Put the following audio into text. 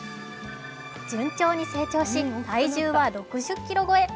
順調に成長し、体重は６０ｋｇ超え。